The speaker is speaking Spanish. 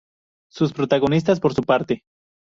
Sus protagonistas, por su parte,